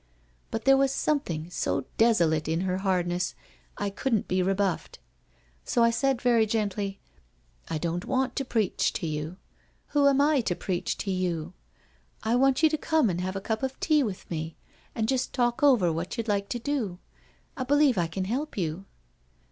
But there was something so desolate in her hardness, I wouldn*t be rebuffed. So I said very gently, ' I don't want to preach to you— who am I to preach to you? — I want you to come and have a cup of tea with me and just talk over what you'd like to do; I believe I can help you.'